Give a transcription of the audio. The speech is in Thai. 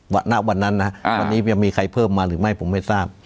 ณวันนั้นนะวันนี้จะมีใครเพิ่มมาหรือไม่ผมไม่ทราบ